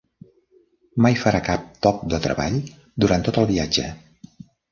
Mai farà cap toc de treball durant tot el viatge.